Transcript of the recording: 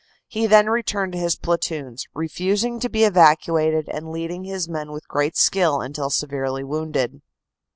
He then returned to his platoon, refusing to be evacuated and leading his men with great skill until severely wounded.